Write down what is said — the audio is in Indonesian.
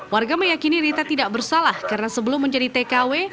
warga meyakini rita tidak bersalah karena sebelum menjadi tkw